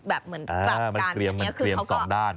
แบบเหมือนจับกันมันเกรียมสองด้าน